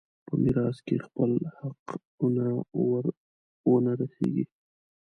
په میراث کې خپل حقونه ور ونه رسېږي.